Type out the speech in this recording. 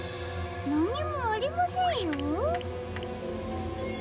なにもありませんよ。